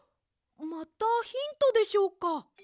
またヒントでしょうか？